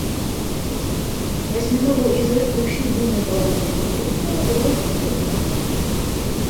Васьміногаў і зрэдку ўсіх буйных галаваногіх малюскаў называюць спрутамі.